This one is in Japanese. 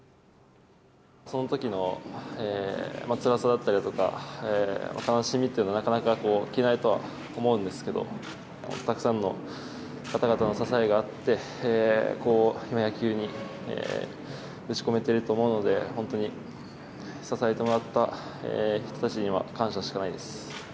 そのときのつらさだったりとか、悲しみというのはなかなか消えないとは思うんですけど、たくさんの方々の支えがあって、野球に打ち込めていると思うので、本当に支えてもらった人たちには感謝しかないです。